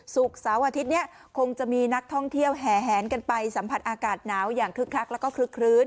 เสาร์อาทิตย์นี้คงจะมีนักท่องเที่ยวแห่แหนกันไปสัมผัสอากาศหนาวอย่างคึกคักแล้วก็คลึกคลื้น